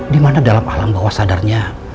dimana dalam alam bawah sadarnya